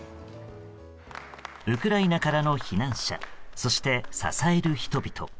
ウクライナからの避難者そして支える人々。